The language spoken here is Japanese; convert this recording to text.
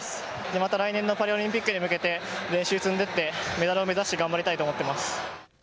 また来年のパリオリンピックに向けて練習を積んでいって、メダルを目指して頑張りたいと思っています。